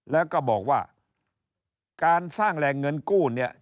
แล้วก็บอกว่าการสร้างแหล่งเงินกู้เนี่ย